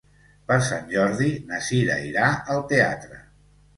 Per Sant Jordi na Cira irà al teatre.